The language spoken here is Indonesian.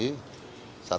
tiga menjaga keamanan negara